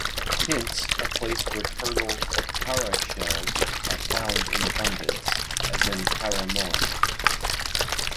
Hence, a place where turtle "cara" shells are found in abundance, as in Caramoan.